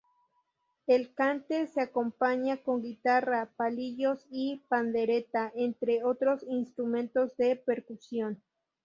El cante se acompaña con guitarra, palillos y pandereta, entre otros instrumentos de percusión.